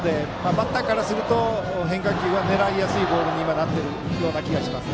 バッターからすると変化球は狙いやすいボールになっている気がします。